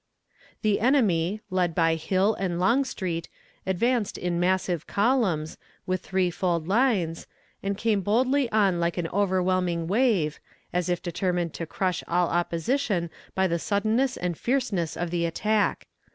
The enemy, led by Hill and Longstreet, advanced in massive columns, with threefold lines, and came boldly on like an overwhelming wave, as if determined to crush all opposition by the suddenness and fierceness of the attack.